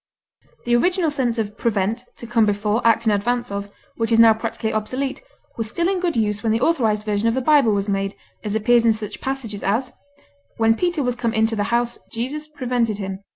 The original sense of prevent, to come before, act in advance of, which is now practically obsolete, was still in good use when the authorized version of the Bible was made, as appears in such passages as, "When Peter was come into the house, Jesus prevented him" (_i.